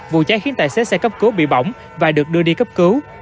vụ cháy khiến tài xế xe cấp cứu bị bỏng và được đưa đi cấp cứu